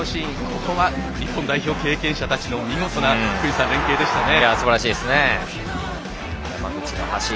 ここは日本代表経験者たちの見事な連係でしたね。